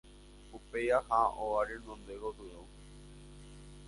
Upéi aha óga renonde gotyo.